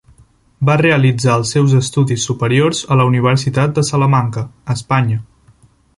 Va realitzar els seus estudis superiors a la Universitat de Salamanca, Espanya.